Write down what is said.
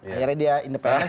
akhirnya dia independen